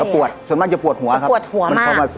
ปวดส่วนมากจะปวดหัวครับปวดหัว